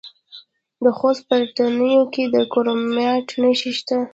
د خوست په تڼیو کې د کرومایټ نښې شته.